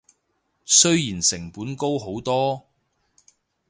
雖然成本高好多